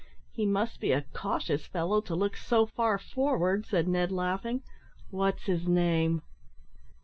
"He must be a cautious fellow, to look so far forward," said Ned, laughing. "What's his name?"